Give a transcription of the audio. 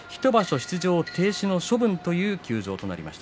出場停止の処分という休場となりました。